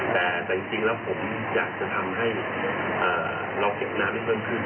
แต่จริงแล้วผมอยากจะทำให้เราเก็บน้ำได้เพิ่มขึ้น